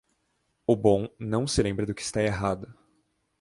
O bom não se lembra do que está errado.